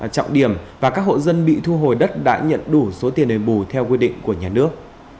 trọng điểm và các hộ dân bị thu hồi đất đã nhận đủ số tiền đền bù theo quy định của nhà nước